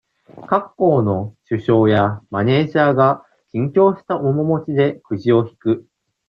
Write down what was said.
各校の、主将や、マネージャーが、緊張した面持ちで、クジを引く。